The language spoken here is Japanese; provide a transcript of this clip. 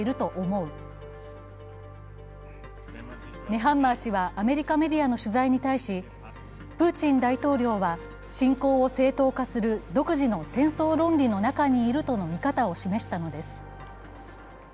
ネハンマー氏はアメリカメディアの取材に対しプーチン大統領は侵攻を正当化させる独自の戦争論理の中にいるとの見方を示したのです。